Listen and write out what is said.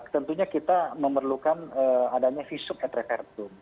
tentunya kita memerlukan adanya visum et repertum